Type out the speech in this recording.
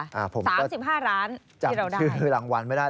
สามสิบห้าร้านที่เราได้จำชื่อรางวัลไม่ได้